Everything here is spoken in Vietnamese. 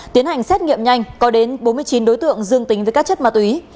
tiến hành xét nghiệm nhanh có đến bốn mươi chín đối tượng dương tính với các chất ma túy